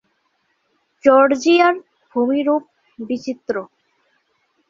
জর্জিয়ার ভূমিরূপ বিচিত্র।